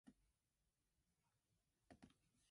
But he had returned to Spain for family reasons.